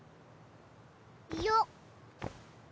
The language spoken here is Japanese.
よっ。